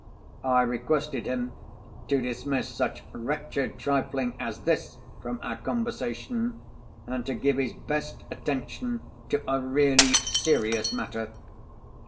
I requested him to dismiss such wretched trifling as this from our conversation, and to give his best attention to a really serious matter.